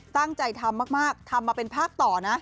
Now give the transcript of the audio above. ตั้งใจทำมากทำมาเป็นภาคต่อนะ